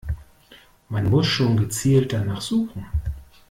Man muss schon gezielt danach suchen.